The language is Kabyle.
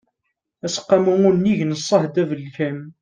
aseqqamu unnig n ṣṣehd abelkam